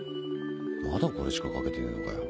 まだこれしか書けてねえのかよ。